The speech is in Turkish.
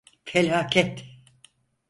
Felaket!